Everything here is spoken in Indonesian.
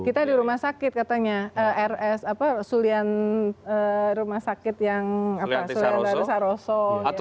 kita di rumah sakit katanya rs apa sulian rumah sakit yang apa sulian darussaloso